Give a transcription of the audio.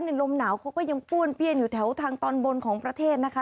ลมหนาวเขาก็ยังป้วนเปี้ยนอยู่แถวทางตอนบนของประเทศนะคะ